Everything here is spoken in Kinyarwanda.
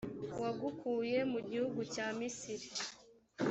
wagukuye mu gihugu cya misiri,